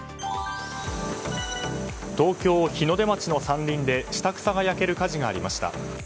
東京・日の出町の山林で下草が焼ける火事がありました。